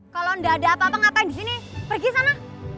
kalo gak ada apa apa apa yang disini pergi sana